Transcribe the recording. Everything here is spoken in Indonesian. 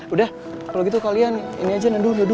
udah kalo gitu kalian ini aja nundu nundu